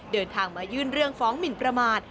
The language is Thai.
เดินทางมายื่นเรื่องฟ้องหมินประมาท